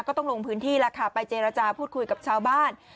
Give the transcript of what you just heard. ก็ต้องลงพื้นที่แล้วค่ะไปเจรจาพูดคุยกับชาวบ้าน